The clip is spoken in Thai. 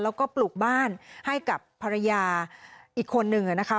แล้วก็ปลูกบ้านให้กับภรรยาอีกคนนึงนะคะ